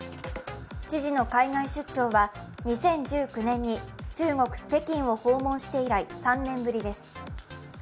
知事の海外出張は２０１９年に中国・北京を訪問して以来３年ぶりです。